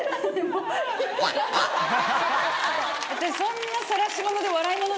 私そんな。